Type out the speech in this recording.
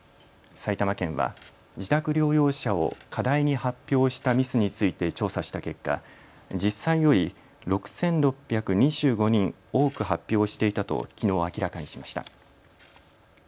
埼玉県は自宅療養者を過大に発表したミスについて調査した結果、実際より６６２５人多く発表していたときのう明らかにしました。